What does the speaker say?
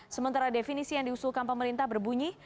sementara definisi yang diusulkan pemerintah berbunyi